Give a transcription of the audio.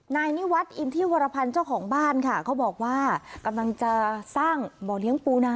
นายนิวัฒน์อินทิวรพันธ์เจ้าของบ้านค่ะเขาบอกว่ากำลังจะสร้างบ่อเลี้ยงปูนา